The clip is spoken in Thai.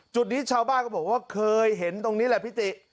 จุดนี้ชาวบ้านก็บอกว่าเคยเห็นตรงนี้แหละพี่ติ